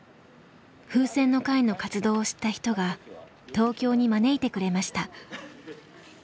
ふうせんの会の活動を知った人が東京に招いてくれました。